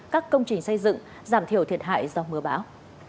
các công trình xây dựng giảm thiểu thiệt hại do mưa bão